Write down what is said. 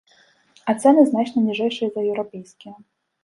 А цэны значна ніжэйшыя за еўрапейскія.